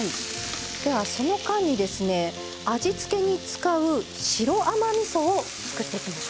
ではその間にですね味付けに使う白甘みそを作っていきましょう。